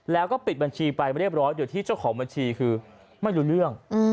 แล้วก็ปิดบัญชีไปเรียบร้อยอยู่ที่เจ้าของบัญชีคือไม่รู้เรื่อง